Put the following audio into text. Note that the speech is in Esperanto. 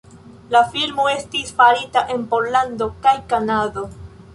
La filmo estis farita en Pollando kaj Kanado.